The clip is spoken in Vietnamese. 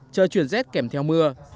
trời truyền rét kèm theo mưa